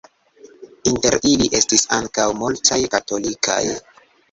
Inter ili estis ankaŭ multaj katolikaj.